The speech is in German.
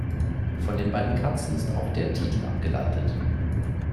Von den beiden Katzen ist auch der Titel abgeleitet.